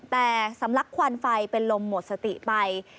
แต่สำลักควันไฟเป็นลมหมดสติไป